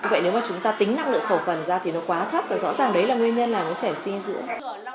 vậy nếu mà chúng ta tính năng lượng khẩu phần ra thì nó quá thấp và rõ ràng đấy là nguyên nhân làm nó trẻ sinh dưỡng